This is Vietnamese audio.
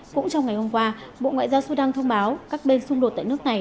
cũng trong ngày hôm qua bộ ngoại giao sudan thông báo các bên xung đột tại nước này